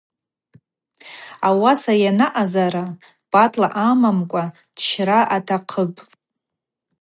Ауаса йанаъазара пӏатла амамкӏва дщра атахъыпӏ.